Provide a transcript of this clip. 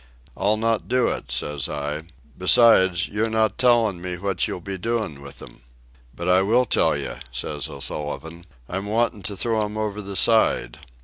"I'll not do it," says I; "besides, you're not tellin' me what you'll be doin' with them." "But I will tell yeh," says O'Sullivan; "I'm wantin' to throw 'em over the side."